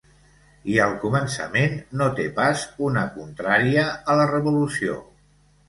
I al començament no té pas una contrària a la revolució.